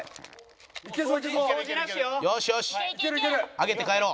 上げて帰ろう。